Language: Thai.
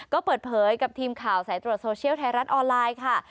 ก็เปิดเผยกับทีมข่าวสายตรวจโซเชียลไทยรัฐออนไลน์ค่ะ